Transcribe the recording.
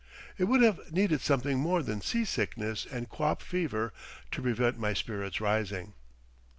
It would have needed something more than sea sickness and quap fever to prevent my spirits rising.